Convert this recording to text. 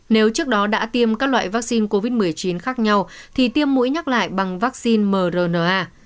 nếu trước đó đã tiêm các loại vaccine covid một mươi chín khác nhau thì tiêm mũi nhắc lại bằng vaccine mrna